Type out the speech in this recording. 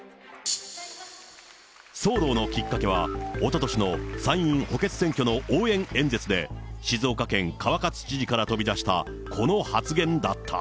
騒動のきっかけは、おととしの参院補欠選挙の応援演説で、静岡県、川勝知事から飛び出したこの発言だった。